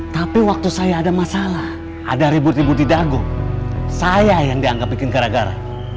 tapi waktu saya ada masalah ada ribut ribut di dago saya yang dianggap bikin gara gara